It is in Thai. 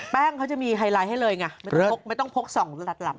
แป้งเขาจะมีไฮไลท์ให้เลยไงไม่ต้องพก๒หลัดหลับ